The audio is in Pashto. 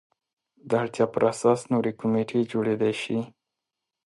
د اړتیا پر اساس نورې کمیټې جوړېدای شي.